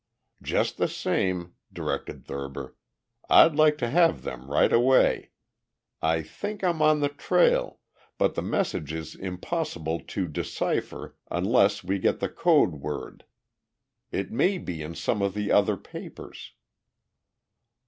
"Just the same," directed Thurber, "I'd like to have them right away. I think I'm on the trail, but the message is impossible to decipher unless we get the code word. It may be in some of the other papers."